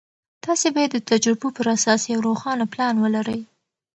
تاسې باید د تجربو پر اساس یو روښانه پلان ولرئ.